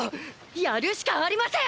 やるしかありません！！